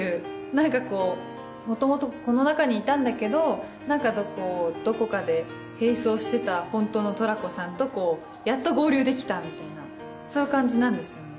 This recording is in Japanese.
何か元々この中にいたんだけどどこかで並走してたホントのトラコさんとやっと合流できたみたいなそういう感じなんですよね。